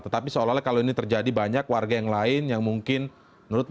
tetapi seolah olah kalau ini terjadi banyak warga yang lain yang mungkin menurut pak selamet bukan anggota kami